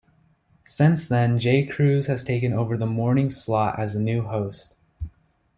Since then, J. Cruz has taken over the morning slot as the new host.